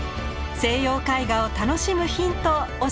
西洋絵画を楽しむヒント教えます！